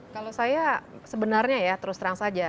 kalau saya sebenarnya ya terus terang saja